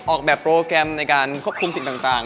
ออกแบบโปรแกรมในการควบคุมสิ่งต่าง